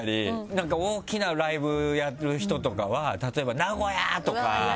なんか大きなライブやる人とかは例えば「名古屋！」とか。